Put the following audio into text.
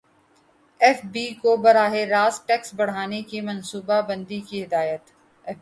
F B کو براہ راست ٹیکس بڑھانے کی منصوبہ بندی کی ہدایت